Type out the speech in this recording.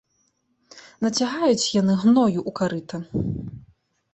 Нацягаюць яны гною ў карыта.